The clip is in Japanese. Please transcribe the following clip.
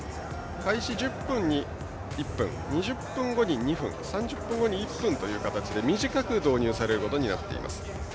開始１０分に１分２０分後に２分３０分後に１分という形で短く導入されることになっています。